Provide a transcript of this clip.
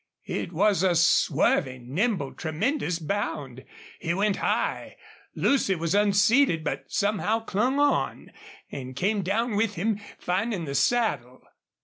It was a swerving, nimble, tremendous bound. He went high. Lucy was unseated, but somehow clung on, and came down with him, finding the saddle.